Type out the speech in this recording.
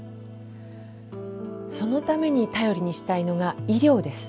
そのために頼りにしたいのが医療です。